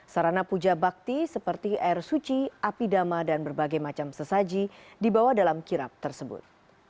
sarana puja bakti seperti air suci api dharma dan berbagai macam sesaji dibawa dalam kirap tersebut